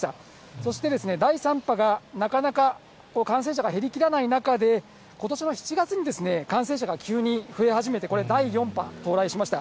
そして第３波がなかなか感染者が減りきらない中で、ことしの７月に感染者が急に増え始めて、これ、第４波、到来しました。